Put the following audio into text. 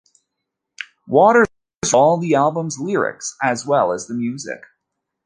Waters wrote all the album's lyrics as well as the music.